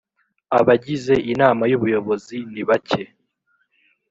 Abagize Inama y Ubuyobozi ni bake